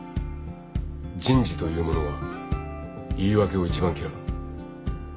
人事というものは言い訳を一番嫌う。